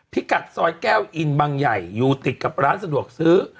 พิกัดซอยแก้วอินบังใหญ่อยู่ติดกับร้านสะดวกซื้อ